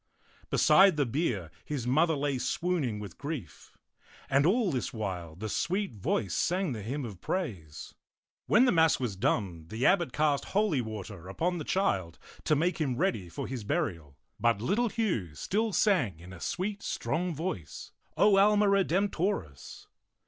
Beside the bier his mother lay swooning with grief; and all this while the sweet voice sang the hymn of praise. When the mass was done, the abbot cast holy water upon the child to make him ready for his burial, but little Hugh still sang in a sweet, strong voice, O Ahna Redempioris.